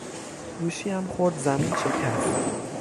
گوشیام خورد زمین شکست